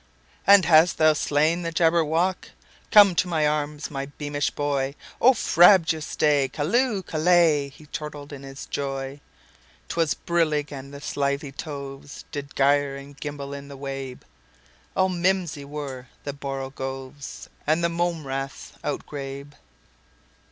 "And hast thou slain the Jabberwock? Come to my arms, my beamish boy!O frabjous day! Callooh! Callay!"He chortled in his joy.'T was brillig, and the slithy tovesDid gyre and gimble in the wabe; All mimsy were the borogoves, And the mome raths outgrabe.